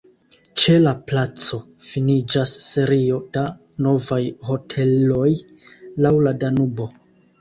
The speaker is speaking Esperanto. Ĉe la placo finiĝas serio da novaj hoteloj laŭ la Danubo.